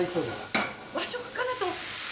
和食かなと。